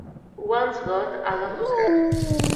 One's got a lot of heart.